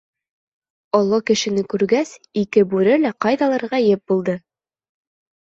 Оло кешене күргәс, ике бүре лә ҡайҙалыр ғәйеп булды.